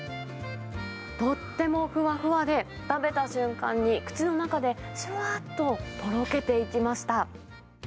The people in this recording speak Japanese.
とってもふわふわで、食べた瞬間に口の中でしゅわっととろけていきました。